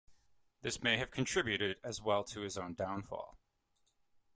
This may have contributed as well to his own downfall.